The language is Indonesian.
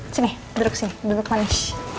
sini duduk sini duduk manis